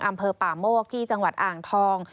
อำเภอป่าโมกที่จังหวัดอ่างทอง